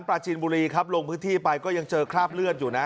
ปราจีนบุรีครับลงพื้นที่ไปก็ยังเจอคราบเลือดอยู่นะ